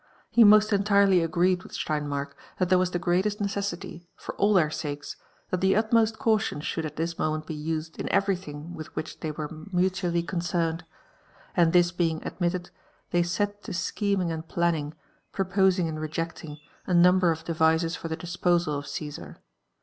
He most entirely agreed with Stein mark that there was the greatest necessity, for all their ^kes, that the utmost caution should at this moment be used in everything with which they were mutually concerned : and this being admitted,, they set to scffemingand jslanning, prgposing and rejecting, a number of devicel for the disposal of Cffisar.